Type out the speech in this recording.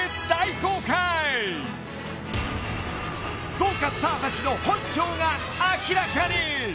［豪華スターたちの本性が明らかに］